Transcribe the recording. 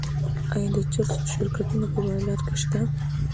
آیا د چرسو شرکتونه په بازار کې نشته؟